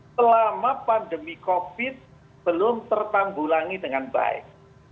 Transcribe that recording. selama pandemi covid sembilan belas belum tertanggulangi dengan baik